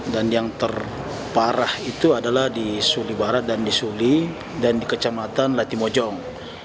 dan yang terparah itu adalah di sulibarat dan di suli dan di kecamatan latibojong